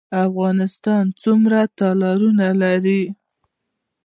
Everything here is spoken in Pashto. افغانستان څومره اتلان لري؟